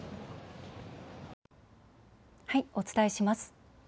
お伝えします。